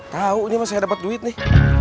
tahu ini mas saya dapat duit nih